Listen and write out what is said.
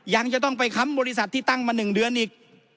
ยังจะต้องไปค้ำบริษัทที่ตั้งมา๑เดือนอีก